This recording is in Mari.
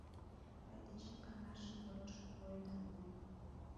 Мый дечем каҥашым йодшын кой да монь...